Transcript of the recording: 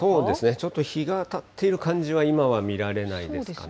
ちょっと日が当たってる感じは、今は見られないですかね。